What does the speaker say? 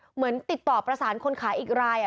เหมือนติดต่อประสานคนขายอีกราย